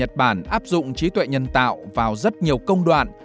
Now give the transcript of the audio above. áp dụng trí tuệ nhân tạo vào rất nhiều công đoạn